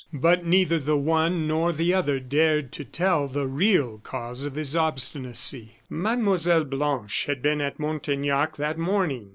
But neither the one nor the other dared to tell the real cause of his obstinacy. Mlle. Blanche had been at Montaignac that morning.